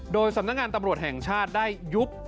โดยสำนักงานตำรวจแห่งชาติได้ยุบ